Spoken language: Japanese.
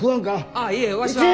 あっいえわしは。